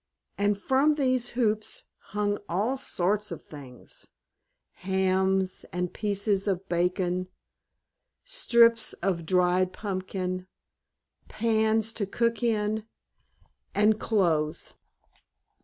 And from these hoops hung all sorts of things hams and pieces of bacon, strips of dried pumpkin, pans to cook in, and clothes.